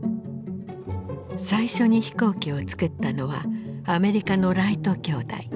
最初に飛行機をつくったのはアメリカのライト兄弟。